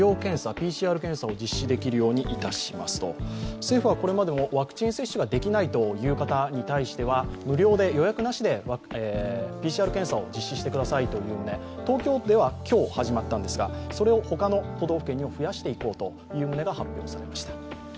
政府はこれまでもワクチン接種ができないという方に対しては無料で、予約なしでＰＣＲ検査を実施してくださいという旨、東京では今日始まったんですがそれをほかの都道府県にも増やしていこうという話でした。